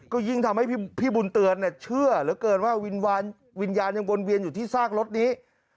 ก็ยิ่งทำให้พี่บุญเตือนเชื่อเหลือเกินว่าวิญญาณยังวนเวียนอยู่ที่ซากรถนี้